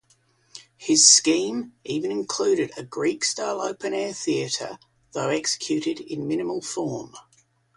His scheme even included a Greek-style open-air theatre, though executed in minimal form.